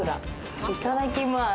いただきます。